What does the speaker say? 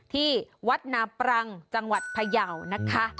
ที่วัดนาปรังจังหวัดพยาวนะคะ